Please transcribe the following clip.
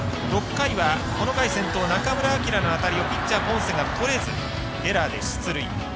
６回はこの回先頭中村晃の当たりをピッチャー、ポンセがとれずエラーで出塁。